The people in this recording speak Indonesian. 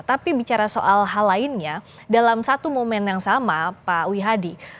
tapi bicara soal hal lainnya dalam satu momen yang sama pak wihadi